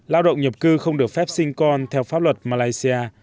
lao động nhập cư không được phép sinh con theo pháp luật malaysia